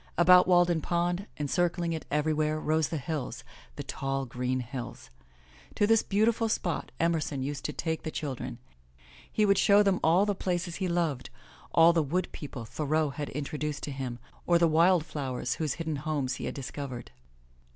About Walden Pond, encircling it everywhere, rose the hills, the tall, green hills. To this beautiful spot Emerson used to take the children. He would show them all the places he loved, all the wood people Thoreau had introduced to him, or the wildflowers whose hidden homes he had discovered.